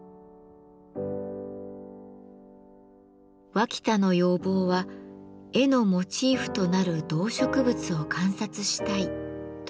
脇田の要望は「絵のモチーフとなる動植物を観察したい」ということ。